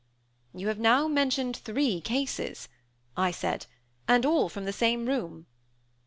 "You have now mentioned three cases," I said, "and all from the same room."